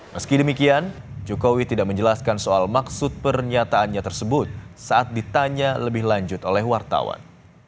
meski demikian jokowi tidak menjelaskan soal maksud pernyataannya tersebut saat ditanya lebih lanjut oleh wartawan